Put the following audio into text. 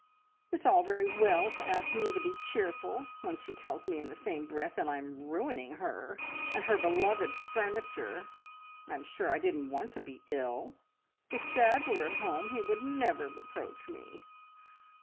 "It's all very well to ask me to be cheerful, when she tells me in the same breath that I am ruining her, and her beloved furniture. I'm sure I didn't want to be ill! If dad were at home he would never reproach me."